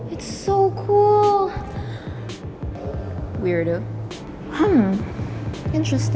itu keren banget